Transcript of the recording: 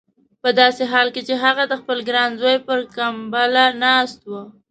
په داسې حال کې چې هغه د خپل ګران زوی پر کمبله ناست و.